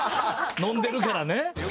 飲んでるからね。